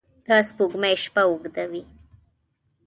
د سپوږمۍ شپه اوږده وي